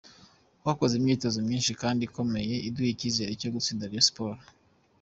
Twakoze imyitozo myinshi kandi ikomeye iduha icyizere cyo gutsinda Rayon Sport.